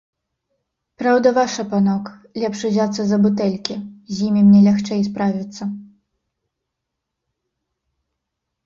Праўда ваша, панок, лепш узяцца за бутэлькі, з імі мне лягчэй справіцца.